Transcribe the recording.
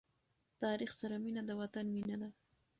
تاریخ سره مینه د وطن مینه ده.